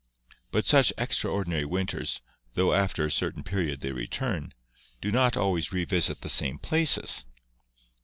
But such extraordinary winters, tho after a cer tain period they return, do not always revisit the same places.